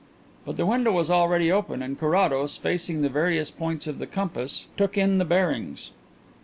But the window was already open, and Carrados, facing the various points of the compass, took in the bearings.